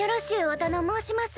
おたの申します。